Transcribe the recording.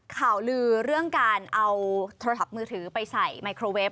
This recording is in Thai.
ข่าวลือเรื่องการเอาโทรศัพท์มือถือไปใส่ไมโครเวฟ